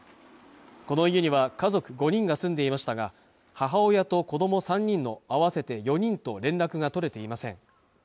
この家には家族５人が住んでいましたが母親と子ども３人の合わせて４人と連絡が取れていません